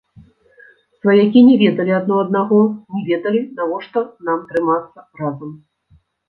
Сваякі не ведалі адно аднаго, не ведалі, навошта нам трымацца разам.